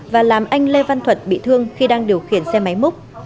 và làm anh lê văn thuật bị thương khi đang điều khiển xe máy múc